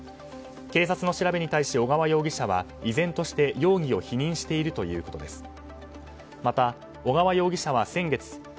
警察の調べに対し小川容疑者は依然として容疑を否認しているということです。